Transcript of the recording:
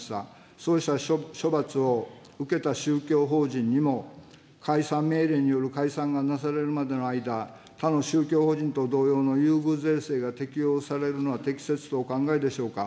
そうした処罰を受けた宗教法人にも、解散命令による解散がなされるまでの間、他の宗教法人と同様の優遇税制が適用されるのは適切とお考えでしょうか。